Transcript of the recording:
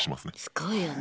すごいよね。